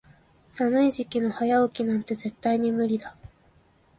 寒い時期の早起きなんて絶対に無理だ。